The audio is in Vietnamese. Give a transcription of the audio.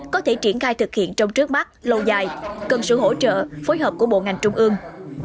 có thể triển khai thực hiện trong trước mắt lâu dài cần sự hỗ trợ phối hợp của bộ ngành trung ương